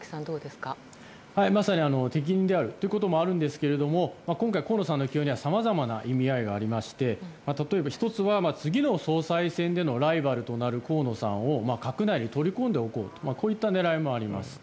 まさに適任であるということもあるんですが今回、河野さんの起用にはさまざまな意味合いがありまして１つは次の総裁選でのライバルとなる河野さんを閣内に取り込んでおこうという狙いもあります。